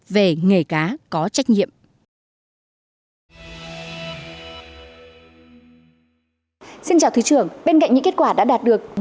về nghiệp pháp